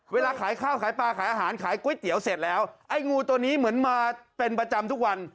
เวลาขายข้าวขายปลาขายอาหารขายก๋วยเตี๋ยวเสร็จแล้วไอ้งูตัวนี้เหมือนมาเป็นประจำทุกวัน